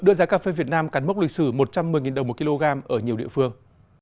đưa giá cà phê việt nam cán mốc lịch sử một trăm một mươi đồng một kg ở nhiều địa phương